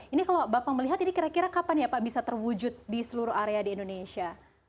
ini kalau bapak melihat ini kira kira kapan ya pak bisa terwujud di seluruh area di indonesia